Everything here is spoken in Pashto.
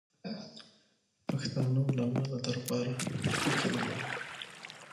پښتانه علما له دربارو کرکه درلوده.